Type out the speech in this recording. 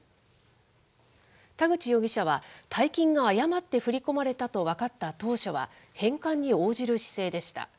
田口容疑者は、大金が誤って振り込まれたと分かった当初は、返還に応じる姿勢でした。